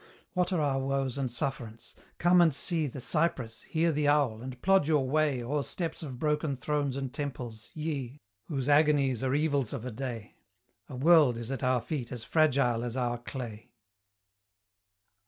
What are our woes and sufferance? Come and see The cypress, hear the owl, and plod your way O'er steps of broken thrones and temples, Ye! Whose agonies are evils of a day A world is at our feet as fragile as our clay.